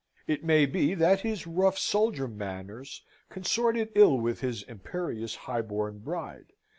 It may be that his rough soldier manners consorted ill with his imperious highborn bride.